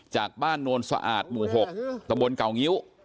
จากบ้านโนนสะอาดหมู่๖ตะบนเก่างิ้ว